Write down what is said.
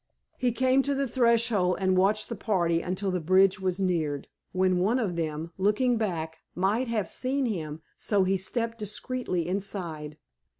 He came to the threshold, and watched the party until the bridge was neared, when one of them, looking back, might have seen him, so he stepped discreetly inside.